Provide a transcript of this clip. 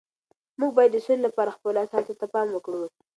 موږ باید د سولي لپاره خپلو احساساتو ته پام وکړو.